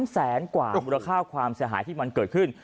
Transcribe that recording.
แสนกว่ามูลค่าความเสียหายที่มันเกิดขึ้น